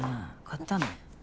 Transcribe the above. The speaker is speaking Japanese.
買ったの？